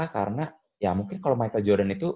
karena ya mungkin kalau michael jordan itu